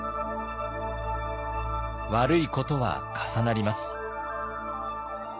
悪いことは重なります。